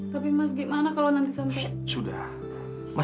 tapi mas gimana kalau nanti sampai sudah